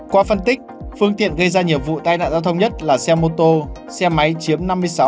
qua phân tích phương tiện gây ra nhiều vụ tai nạn giao thông nhất là xe mô tô xe máy chiếm năm mươi sáu tám mươi hai